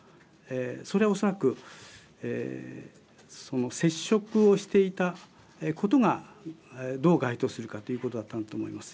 それをおそらくその接触をしていたことがどう該当するかということだったと思います。